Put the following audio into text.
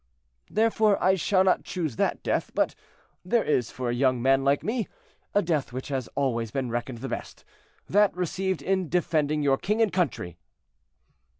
"Therefore I shall not choose that death; but there is, for a young man like me, a death which has always been reckoned the best—that received in defending your king and country."